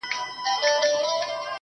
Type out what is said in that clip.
• شېخ سره وښورېدی زموږ ومخته کم راغی_